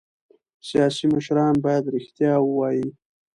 سیاسي مشران باید رښتیا ووايي